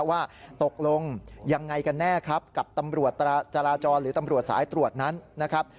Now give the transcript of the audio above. ว่าตกลงยังไงกันแน่ครับกับตำรวจจราจรหรือตำรวจสายตรวจนั้นนะครับ